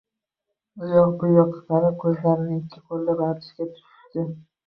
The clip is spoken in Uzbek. U yoq-bu yoqqa qarab, ko‘zlarini ikki qo‘llab artishga tushishdi.